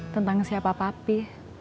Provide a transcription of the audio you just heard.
tentang siapa papi